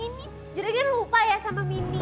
ini juragan lupa ya sama mini